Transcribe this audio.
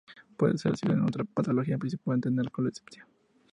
Puede estar asociada a otra patología, principalmente narcolepsia.